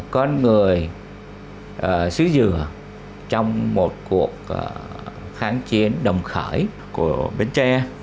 con người xứ dừa trong một cuộc kháng chiến đồng khởi của bến tre